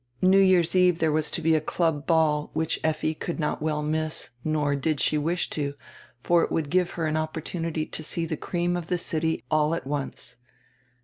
New Year's eve there was to be a club ball, which Effi could not well miss, nor did she wish to, for it would give her an opportunity to see die cream of the city all at once.